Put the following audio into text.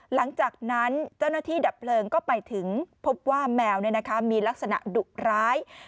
หลังจากนั้นเจ้าหน้าที่ดับเพลิงก็ไปถึงพบว่าแมวมีลักษณะดุร้าย